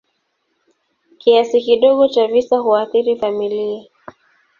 Kiasi kidogo cha visa huathiri familia.